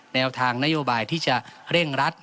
แนวทางนโยบายที่จะเร่งรัด